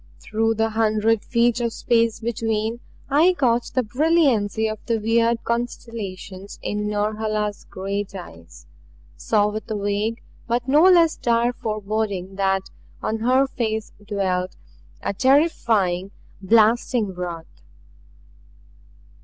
Through the hundred feet of space between I caught the brilliancy of the weird constellations in Norhala's great eyes saw with a vague but no less dire foreboding that on her face dwelt a terrifying, a blasting wrath.